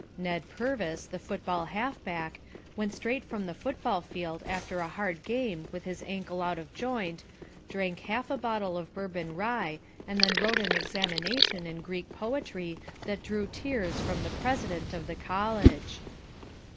Ned Purvis, the football half back, went straight from the football field after a hard game with his ankle out of joint, drank half a bottle of Bourbon Rye and then wrote an examination in Greek poetry that drew tears from the President of the college.